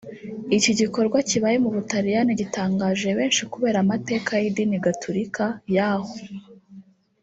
Iki gikorwa kibaye mu Butaliyani gitangaje benshi kubera amateka y’idini gatolika yaho